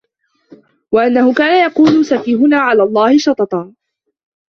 وَأَنَّهُ كانَ يَقولُ سَفيهُنا عَلَى اللَّهِ شَطَطًا